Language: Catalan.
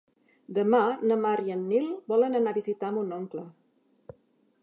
Demà na Mar i en Nil volen anar a visitar mon oncle.